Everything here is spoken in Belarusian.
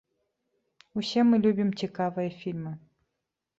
Усе мы любім цікавыя фільмы.